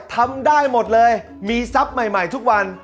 ทำได้หมดเลยมีทรัพย์ใหม่ทุกวัน